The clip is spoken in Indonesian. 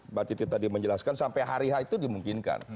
mbak titip tadi menjelaskan sampai hari itu dimungkinkan